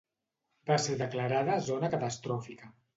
Va ser declarada zona catastròfica.